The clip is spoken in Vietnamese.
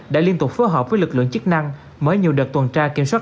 đã liên tục phối hợp với lực lượng chức năng mở nhiều đợt tuần tra kiểm soát